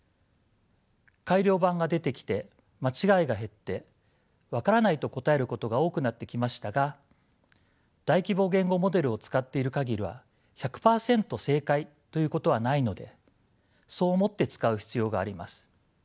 改良版が出てきて間違いが減って分からないと答えることが多くなってきましたが大規模言語モデルを使っている限りは１００％正解ということはないのでそう思って使う必要があります。